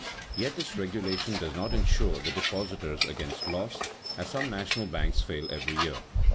Yet this regulation does not insure the depositors against loss, as some national banks fail every year.